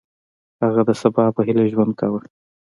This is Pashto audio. هغه د سبا په هیله ژوند کاوه.